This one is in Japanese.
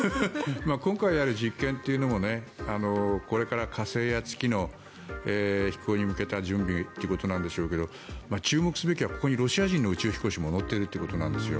今回やる実験というのもこれから火星や月の飛行に向けた準備ということなんでしょうけど注目すべきはここにロシア人の宇宙飛行士も乗っているということです。